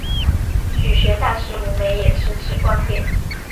曲学大师吴梅也持此观点。